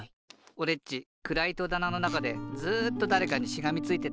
おれっちくらいとだなのなかでずっとだれかにしがみついてた。